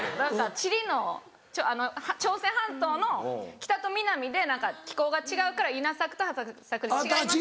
地理の朝鮮半島の北と南で気候が違うから稲作と畑作で違います